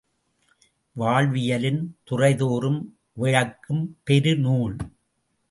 வாழ்வியலின் துறைதோறும் விளக்கும் பெருநூல்!